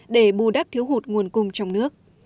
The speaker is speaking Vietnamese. để bù đắc thiếu hụt nguồn cung trong nước